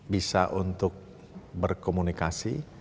bisa untuk berkomunikasi